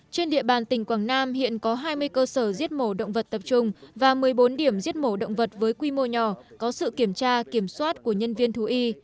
trên địa bàn tỉnh quảng nam hiện có hai mươi cơ sở giết mổ động vật tập trung và một mươi bốn điểm giết mổ động vật với quy mô nhỏ có sự kiểm tra kiểm soát của nhân viên thú y